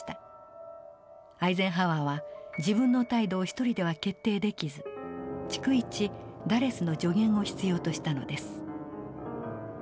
アイゼンハワーは自分の態度を一人では決定できず逐一ダレスの助言を必要としたのです。